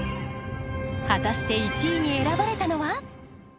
果たして１位に選ばれたのは。